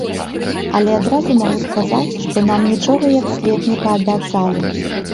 Але адразу магу сказаць, што нам нічога як след не паабяцалі.